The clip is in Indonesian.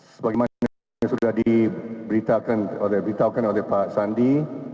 sebagai mana yang sudah diberitakan oleh pak sandi